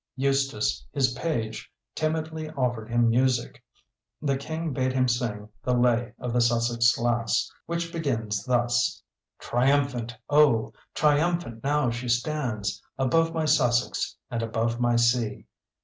Eustace, his page, timidly offered him music. The King bade him sing the "Lay of the Sussex Lass," which begins thus: Triumphant, oh! triumphant now she stands, Above my Sussex, and above my sea!